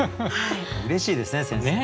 うれしいですね先生。